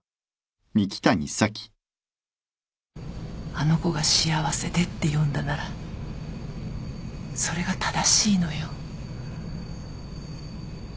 あの子が「幸せで」って読んだならそれが正しいのよ。